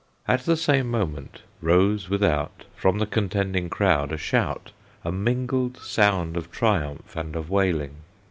At the same moment rose without, From the contending crowd, a shout, A mingled sound of triumph and of wailing.